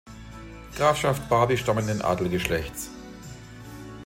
Grafschaft Barby stammenden Adelsgeschlechts.